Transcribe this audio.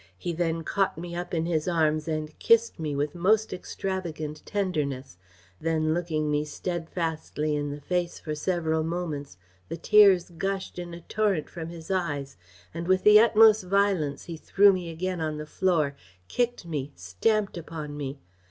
He then caught me up in his arms and kissed me with most extravagant tenderness; then, looking me stedfastly in the face for several moments, the tears gushed in a torrent from his eyes, and with his utmost violence he threw me again on the floor, kicked me, stamped upon me.